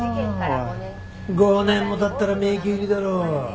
５年も経ったら迷宮入りだろ。